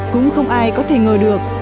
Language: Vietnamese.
cũng không ai có thể ngờ được